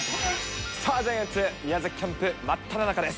さあ、ジャイアンツ宮崎キャンプ、真っただ中です。